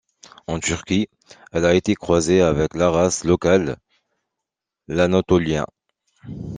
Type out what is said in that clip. En Turquie, elle a été croisée avec la race locale, l'Anatolien.